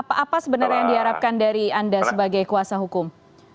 apa sebenarnya yang diharapkan dari anda sebagai kuasa hukum